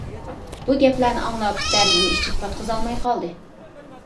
بۇ گەپلەرنى ئاڭلاپ، دەردىنى ئىچىگە پاتقۇزالماي قالدى.